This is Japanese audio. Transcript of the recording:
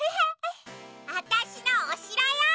わたしのおしろよ！